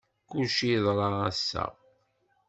Kulci yeḍra ass-a.